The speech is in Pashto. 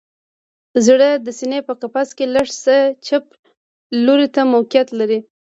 زړه د سینه په قفس کې لږ څه چپ لوري ته موقعیت لري